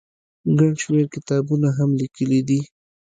ګڼ شمېر کتابونه هم ليکلي دي